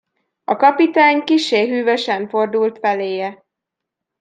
A kapitány kissé hűvösen fordult feléje.